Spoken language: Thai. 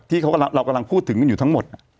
ที่เรากำลังพูดถึงกันอยู่ทั้งหมด